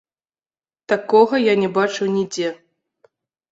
Такога я не бачыў нідзе.